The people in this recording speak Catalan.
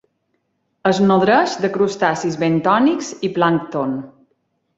Es nodreix de crustacis bentònics i plàncton.